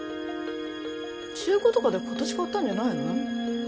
中古とかで今年買ったんじゃないの？